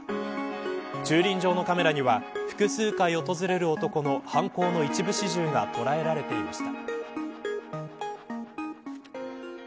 駐輪場のカメラには複数回訪れる男の犯行の一部始終が捉えられていました。